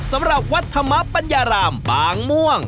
สำหรับวัดธรรมปัญญารามบางม่วง